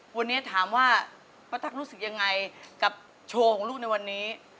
วันนี้ถามว่าป้าตั๊กรู้สึกยังไงกับโชว์ของลูกในวันนี้